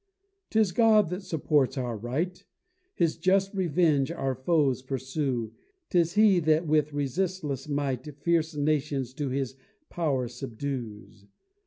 'Tis God that still supports our right, His just revenge our foes pursues; 'Tis He that with resistless might, Fierce nations to His power subdues.